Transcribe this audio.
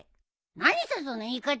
何さその言い方！